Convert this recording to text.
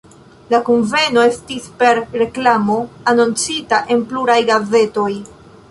La kunveno estis per reklamo anoncita en pluraj gazetoj.